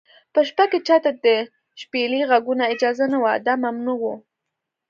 په شپه کې چا ته د شپېلۍ غږولو اجازه نه وه، دا ممنوع و.